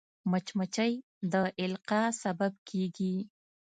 مچمچۍ د القاح سبب کېږي